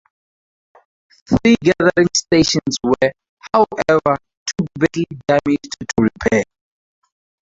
Three gathering stations were, however, too badly damaged to repair.